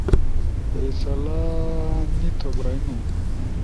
فیصلہ نی تھو بھئینو؟